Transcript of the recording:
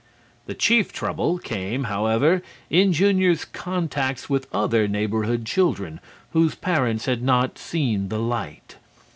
The chief trouble came, however, in Junior's contacts with other neighborhood children whose parents had not seen the light.